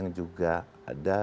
sejau sarc game